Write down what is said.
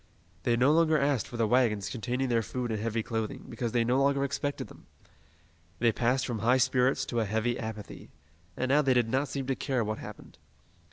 They no longer asked for the wagons containing their food and heavy clothing, because they no longer expected them. They passed from high spirits to a heavy apathy, and now they did not seem to care what happened.